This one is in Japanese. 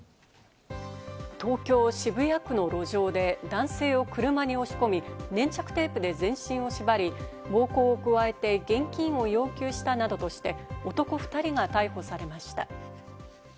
東京・渋谷区の路上で男性を車に押し込み、粘着テープで全身を縛り、暴行を加えて現金を要求したなどとして男２人が逮捕されました。